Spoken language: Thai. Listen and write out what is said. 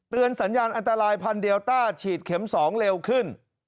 เตือนสัญญาณอันตรายพันธุ์เดลต้าฉีดเข็มสองเร็วขึ้น